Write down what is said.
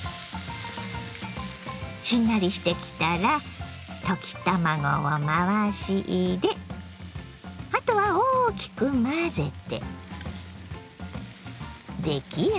しんなりしてきたら溶き卵を回し入れあとは大きく混ぜて出来上がり。